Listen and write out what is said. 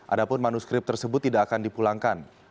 adapun manuskrip tersebut tidak akan dipulangkan